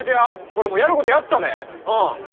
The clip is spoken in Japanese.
俺もうやることやったで。